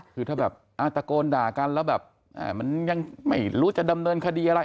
คือถ้าแบบตะโกนด่ากันแล้วแบบมันยังไม่รู้จะดำเนินคดีอะไร